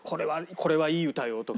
「これはいい歌よ」とか